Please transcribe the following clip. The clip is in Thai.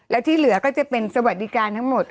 และที่เหลือก็จะเป็นสวัสดิการทั้งหมด